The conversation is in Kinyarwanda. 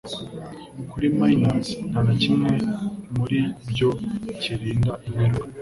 kuri Minos nta na kimwe muri byo cyirinda interuro